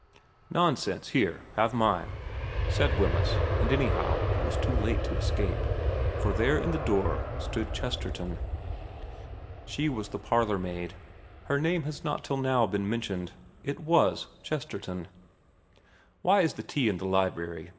' Nonsense ; here, have mine,' said Wemyss ; and anyhow it was too late to escape, for there in the door stood Chesterton. She was the parlourmaid. Her name has not till now been mentioned. It was Chesterton. * Why is tea in the library